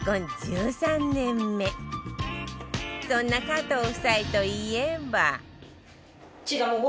そんな加藤夫妻といえば